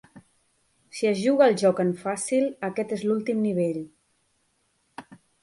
Si es juga al joc en Fàcil, aquest és l'últim nivell.